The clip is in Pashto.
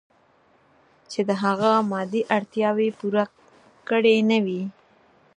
چې د هغه مادي اړتیاوې پوره کړې نه وي.